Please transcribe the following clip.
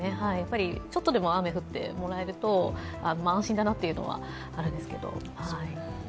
ちょっとでも雨降ってもらえると安心だなというのはあるんですけど。